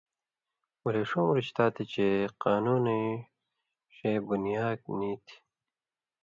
ولے ݜُو ہُم رُشتا تھی چے قانُونَیں ݜے پُنیاک نی تھی